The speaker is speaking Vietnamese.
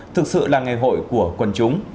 thực sự là ngày hội của quân chúng